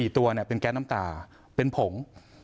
๔ตัวเป็นแก๊สน้ำตาเป็นผง